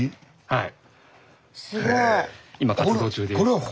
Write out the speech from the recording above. はい。